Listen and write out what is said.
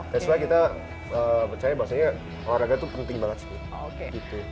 that's why kita percaya bahwa sebenarnya warga itu penting banget sih